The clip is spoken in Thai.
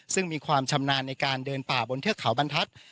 ซึ่งมีความชำนาญในการเดินป่าบนเทือกเขาบรรทัศน์